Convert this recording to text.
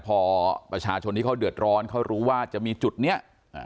พอประชาชนที่เขาเดือดร้อนเขารู้ว่าจะมีจุดเนี้ยอ่า